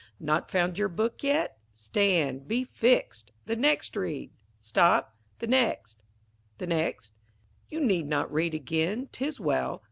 Not found your book yet? Stand be fix'd The next read, stop the next the next. You need not read again, 'tis well.